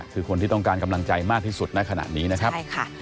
คือคนที่ต้องการกำลังใจมากที่สุดณขนาดนี้นะครับ